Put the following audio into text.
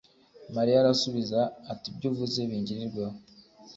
Mariya arasubiza ati: “Ibyo uvuze bingirirweho”.